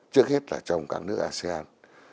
trước hết là trong các nước asean